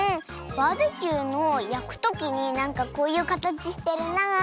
バーベキューのやくときになんかこういうかたちしてるなあって。